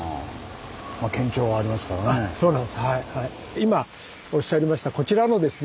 今おっしゃりましたこちらのですね